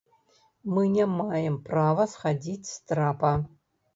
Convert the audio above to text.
Мы не маем права схадзіць з трапа.